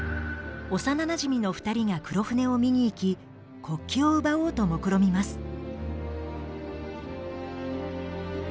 幼なじみの２人が黒船を見に行き国旗を奪おうともくろみます。